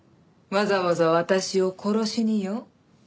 わざわざ私を殺しによ。